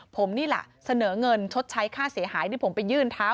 ผมนี่แหละเสนอเงินชดใช้ค่าเสียหายที่ผมไปยื่นเท้า